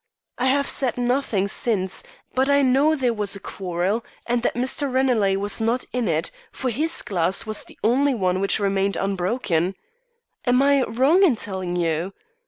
I have said nothing since; but I know there was a quarrel, and that Mr. Ranelagh was not in it, for his glass was the only one which remained unbroken. Am I wrong in telling you?